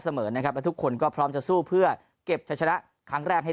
เสมอนะครับแล้วทุกคนก็พร้อมจะสู้เพื่อเก็บชะชนะครั้งแรกให้